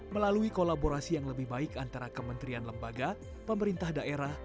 melalui kolaborasi yang lebih baik antara kementerian lembaga pemerintah daerah